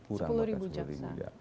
kurang bukan sepuluh ribu jaksa